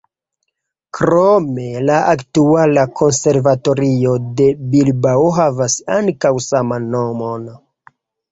Krome la aktuala konservatorio de Bilbao havas ankaŭ saman nomon.